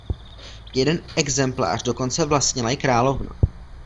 Jeden exemplář dokonce vlastnila i královna.